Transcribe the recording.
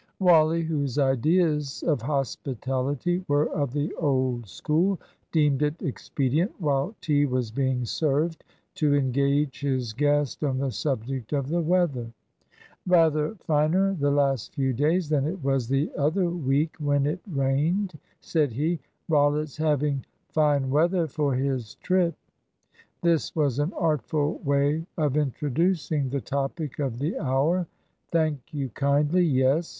Wally, whose ideas of hospitality were of the old school, deemed it expedient, while tea was being served, to engage his guest on the subject of the weather. "Rather finer the last few days than it was the other week when it rained?" said he. "Rollitt's having fine weather for his trip." This was an artful way of introducing the topic of the hour. "Thank you kindly, yes.